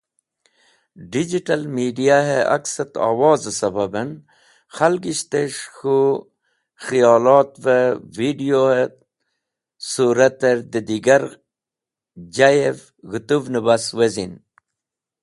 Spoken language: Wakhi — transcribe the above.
Digital Mediahe Aks et Owoze Sababen Khalgisht es̃h K̃hu Khiyolotve Video he Surater de digar jayev g̃hutuvne bas wezin.